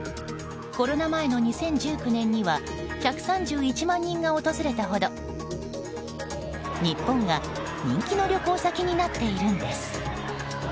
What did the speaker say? コロナ前の２０１９年には１３１万人が訪れたほど日本が人気の旅行先になっているんです。